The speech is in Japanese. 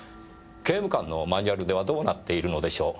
刑務官のマニュアルではどうなっているのでしょう？